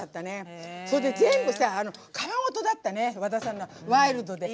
それで全部さ皮ごとだったね和田さんのはワイルドで。